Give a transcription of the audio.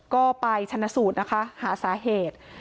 ก็ไปชนะสูตรนะคะหาสาเหตุ